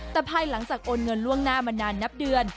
แต่ภายหลังจากโอนเงินล่วงหน้ามานานนับเดือน